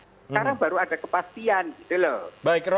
sekarang baru ada kepastian gitu loh